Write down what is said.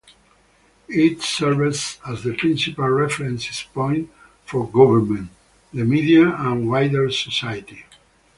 It serves as the principal reference point for government, the media and wider society.